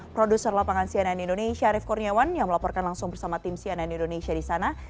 produser lapangan cnn indonesia arief kurniawan yang melaporkan langsung bersama tim cnn indonesia di sana